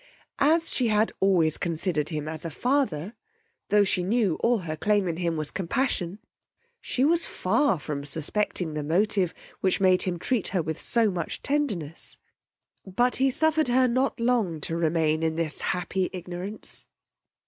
As she had always considered him as a father, tho' she knew all her claim in him was compassion, she was far from suspecting the motive which made him treat her with so much tenderness; but he suffered her not long to remain in this happy ignorance.